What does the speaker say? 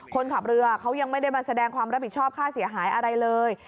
คนขับเรือเขายังไม่ได้มาแสดงความรับผิดชอบค่าเสียหายอะไรเลย